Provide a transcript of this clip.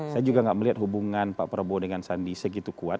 saya juga gak melihat hubungan pak prabowo dengan sandi segitu kuat